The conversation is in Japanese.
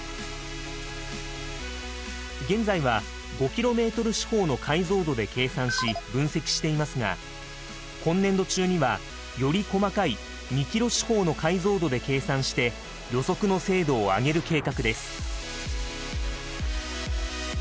現在は５ｋｍ四方の解像度で計算し分析していますが今年度中にはより細かい２ｋｍ四方の解像度で計算して予測の精度を上げる計画です。